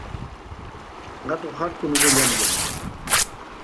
Gatu ḥartu nun e llambión.